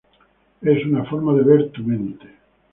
Es una forma de ver tu mente.